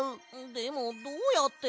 でもどうやって？